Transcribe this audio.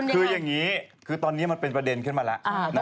คืออย่างนี้คือตอนนี้มันเป็นประเด็นขึ้นมาแล้ว